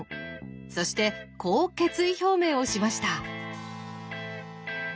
そしてこう決意表明をしました。